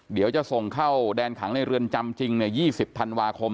เดี๋ยวจะส่งเข้าแดนขังในเรือนจำจริง๒๐ธันวาคม